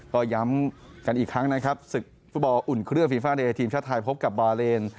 ก็ย้ำกันอีกครั้งนะครับศึกฟุตบอลอุ่นเครื่องฟีฟ่าเดย์ทีมชาติไทยพบกับบาเลน